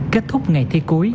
kết thúc ngày thi cuối